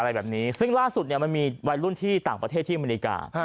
อะไรแบบนี้ซึ่งล่าสุดเนี่ยมันมีวัยรุ่นที่ต่างประเทศที่อเมริกา